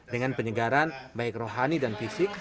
dengan penyegaran baik rohani dan fisik